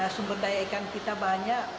sumber daya ikan kita banyak